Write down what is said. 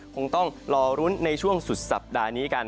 คงต้องรอรุ้นในช่วงสุดสัปดาห์นี้กัน